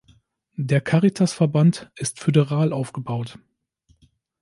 Der Caritasverband ist föderal aufgebaut.